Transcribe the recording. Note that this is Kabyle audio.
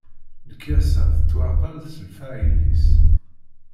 Lekyasa tettwaɛqal s lefɛayel-is.